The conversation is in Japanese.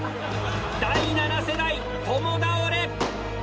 第７世代共倒れ！